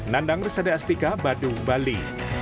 nandang risade astika badung bali